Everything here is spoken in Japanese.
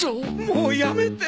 もうやめて。